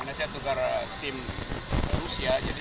karena saya tukar sim rusia jadi